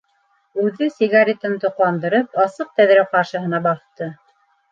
Үҙе, сигаретын тоҡандырып, асыҡ тәҙрә ҡаршыһына баҫты.